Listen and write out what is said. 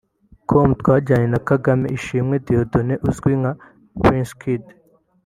com twagiranye na Kagame Ishimwe Dieudonne uzwi nka Prince Kid